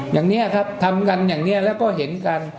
อย่างนี้ครับทำกันอย่างนี้แล้วก็เห็นกัน